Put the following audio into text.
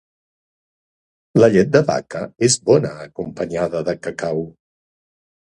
La llet de vaca és bona acompanyada de cacau.